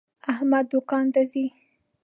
احمد دوکان ته ځي.